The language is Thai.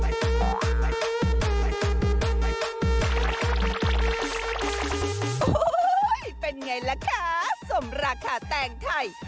อู้หู้หู้หู้เป็นไงล่ะคะส่งราคาแต่งไทย